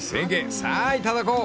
［さあいただこう！］